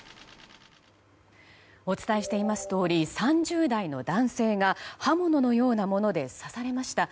お伝えしていますとおり３０代の男性が刃物のようなもので刺されました。